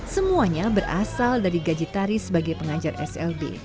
semuanya berasal dari gaji tari sebagai pengajar slb